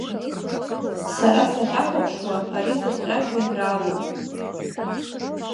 Сара сахьахәаԥшуа ари зыхҟьа ажәеинраалоуп.